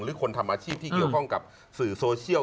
คนทำอาชีพที่เกี่ยวข้องกับสื่อโซเชียล